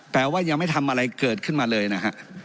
แปลว่ายังไม่ทำอะไรเกิดขึ้นมาเลยนะฮะ